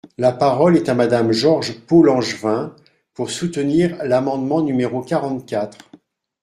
La parole est à Madame George Pau-Langevin, pour soutenir l’amendement numéro quarante-quatre.